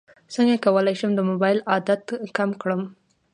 څنګه کولی شم د موبایل عادت کم کړم